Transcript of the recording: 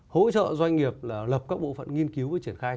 hỗ trợ doanh nghiệp là lập các bộ phận nghiên cứu và triển khai